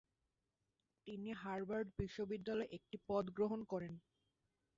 তিনি হার্ভার্ড বিশ্ববিদ্যালয়ে একটি পদ গ্রহণ করেন।